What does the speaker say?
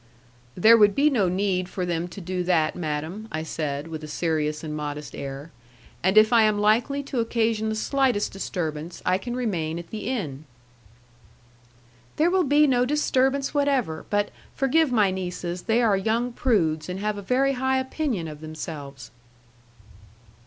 "There would be no need for them to do that, madam," I said, with a serious and modest air; "and if I am likely to occasion the slightest disturbance, I can remain at the inn." "There will be no disturbance whatever; but forgive my nieces, they are young prudes, and have a very high opinion of themselves."